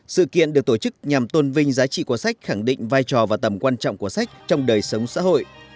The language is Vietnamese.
sự kiện được tổ chức nhằm tôn vinh giá trị của sách khẳng định vai trò và tầm quan trọng của sách trong đời sống xã hội